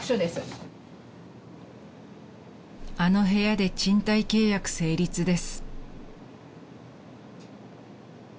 ［あの部屋で賃貸契約成立です］